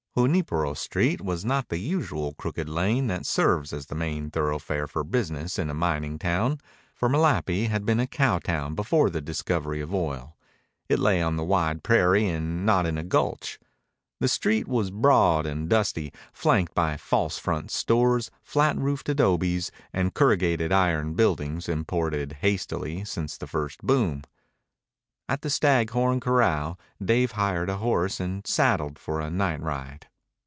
Junipero Street was not the usual crooked lane that serves as the main thoroughfare for business in a mining town. For Malapi had been a cowtown before the discovery of oil. It lay on the wide prairie and not in a gulch. The street was broad and dusty, flanked by false front stores, flat roofed adobes, and corrugated iron buildings imported hastily since the first boom. At the Stag Horn corral Dave hired a horse and saddled for a night ride.